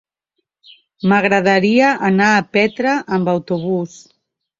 M'agradaria anar a Petra amb autobús.